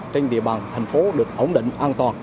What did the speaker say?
trên địa bàn thành phố được ổn định an toàn